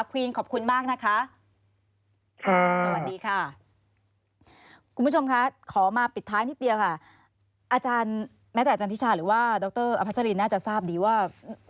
ควีนขอบคุณมากนะคะ